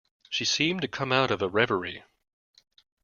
She seemed to come out of a reverie.